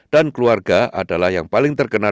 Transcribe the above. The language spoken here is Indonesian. dan keluarga adalah yang paling terkena